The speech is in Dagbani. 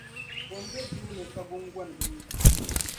Bɔ m-be duu ni ka guŋgɔni bi mi?